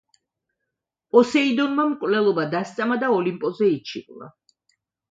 პოსეიდონმა მკვლელობა დასწამა და ოლიმპოზე იჩივლა.